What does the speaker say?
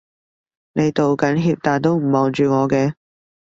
你道緊歉但都唔望住我嘅